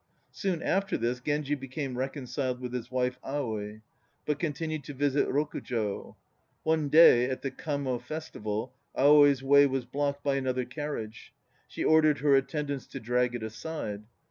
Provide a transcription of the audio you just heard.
Soon after this, Genji became reconciled with his wife Aoi, but continued to visit Rokujo. One day, at the Kamo Festival, Aoi's way was blocked by another carriage. She ordered her attendants to drag it aside.